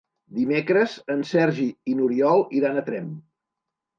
Dimecres en Sergi i n'Oriol iran a Tremp.